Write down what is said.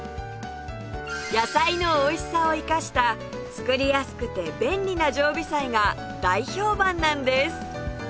野菜のおいしさを生かした作りやすくて便利な常備菜が大評判なんです